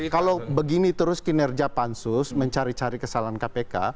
kalau begini terus kinerja pansus mencari cari kesalahan kpk